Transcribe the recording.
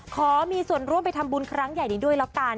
ขอมีส่วนร่วมไปทำบุญครั้งใหญ่นี้ด้วยแล้วกัน